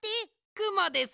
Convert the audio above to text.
くもです